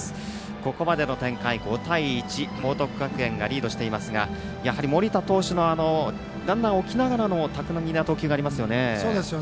ここまでの展開、５対１報徳学園がリードしていますが盛田投手のランナーを置きながらの巧みな投球がありますね。